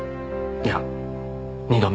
いや二度目。